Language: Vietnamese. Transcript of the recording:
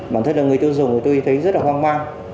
bản thân là người tiêu dùng tôi thấy rất là hoang mang